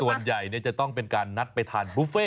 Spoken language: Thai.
ส่วนใหญ่จะต้องเป็นการนัดไปทานบุฟเฟ่